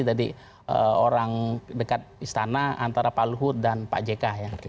tadi orang dekat istana antara pak luhut dan pak jk ya